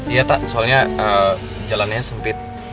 iya tak soalnya jalannya sempit